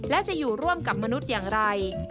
และจะอยู่ร่วมกับมนุษย์อย่างไร